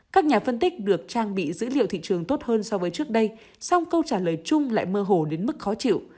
các nhà phân tích được trang bị dữ liệu thị trường tốt hơn so với trước đây song câu trả lời chung lại mơ hồ đến mức khó chịu